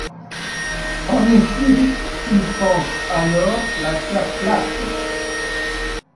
En effet, ils pensent alors la Terre plate.